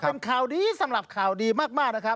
เป็นข่าวดีสำหรับข่าวดีมากนะครับ